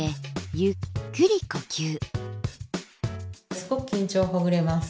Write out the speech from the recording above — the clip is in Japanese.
すごく緊張ほぐれます。